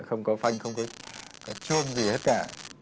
không có phanh không có chôn gì hết cả